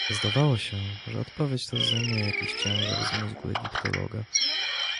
"Zdawało się, że odpowiedź ta zdejmuje jakiś ciężar z mózgu egiptologa."